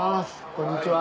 こんにちは。